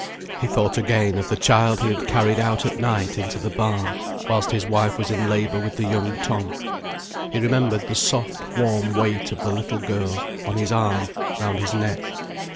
He thought again of the child he had carried out at night into the barn, whilst his wife was in labour with the young Tom. He remembered the soft, warm weight of the little girl on his arm, round his neck.